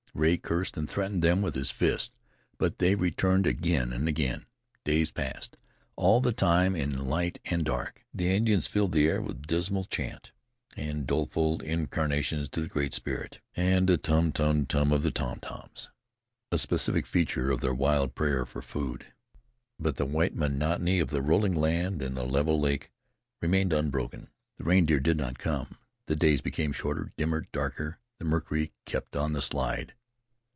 Rea cursed and threatened them with his fists, but they returned again and again. Days passed. All the time, in light and dark, the Indians filled the air with dismal chant and doleful incantations to the Great Spirit, and the tum! tum! tum! tum! of tomtoms, a specific feature of their wild prayer for food. But the white monotony of the rolling land and level lake remained unbroken. The reindeer did not come. The days became shorter, dimmer, darker. The mercury kept on the slide.